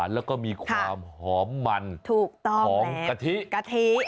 แล้วก็มีความหอมมันของกะทิ